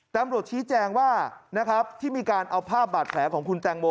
แต่ตำรวจชี้แจงว่าที่มีการเอาภาพบัตรแผลของคุณแตงโม